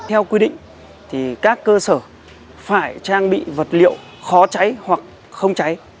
theo quy định thì các cơ sở phải trang bị vật liệu khó cháy hoặc không cháy